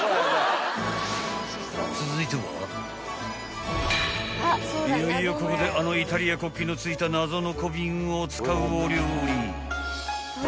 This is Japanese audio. ［続いてはいよいよここであのイタリア国旗のついた謎の小瓶を使うお料理］